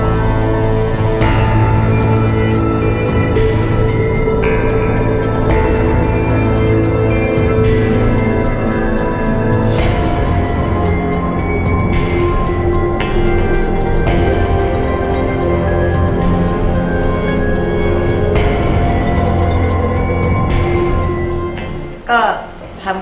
เลิกแล้วต่อกัน